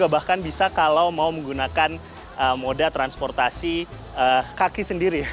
bahkan bisa kalau mau menggunakan moda transportasi kaki sendiri